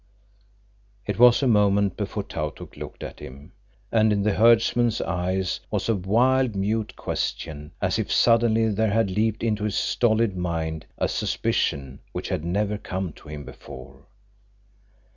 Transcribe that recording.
It was a moment before Tautuk looked at him, and in the herdsman's eyes was a wild, mute question, as if suddenly there had leaped into his stolid mind a suspicion which had never come to him before.